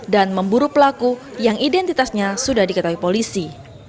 dan memburu pelaku yang identitasnya sudah diketahui polisi